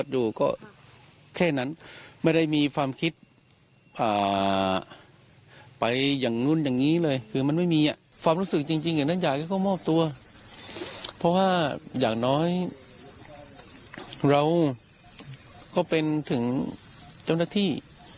อย่างน้อยเราก็เป็นถึงเจ้าหน้าที่